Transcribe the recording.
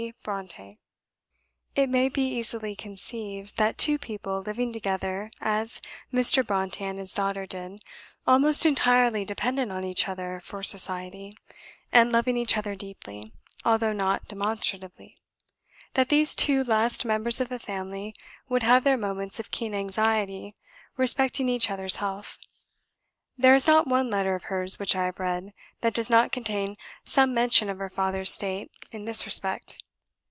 BRONTË." It may easily be conceived that two people living together as Mr. Brontë and his daughter did, almost entirely dependent on each other for society, and loving each other deeply (although not demonstratively) that these two last members of a family would have their moments of keen anxiety respecting each other's health. There is not one letter of hers which I have read, that does not contain some mention of her father's state in this respect.